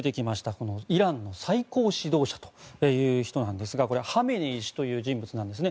このイランの最高指導者という人なんですがこれ、ハメネイ師という人物なんですね。